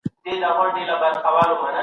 عاجزي زړه روښانه کوي.